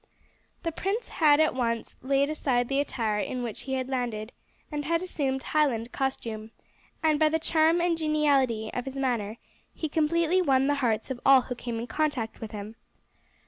The prince had at once laid aside the attire in which he had landed and had assumed Highland costume, and by the charm and geniality of his manner he completely won the hearts of all who came in contact with him.